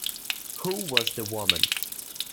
Who was the woman?